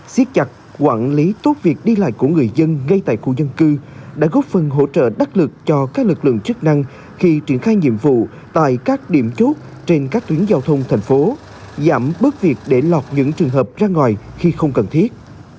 xiết chặt quản lý tốt việc đi lại của người dân ngay tại khu dân cư đã góp phần hỗ trợ đắc lực cho các lực lượng chức năng khi triển khai nhiệm vụ tại các điểm chốt trên các tuyến giao thông thành phố giảm bớt việc để lọt những trường hợp ra ngoài khi không cần thiết